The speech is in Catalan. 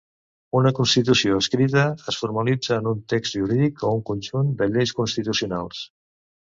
Una constitució escrita es formalitza en un text jurídic o un conjunt de lleis constitucionals.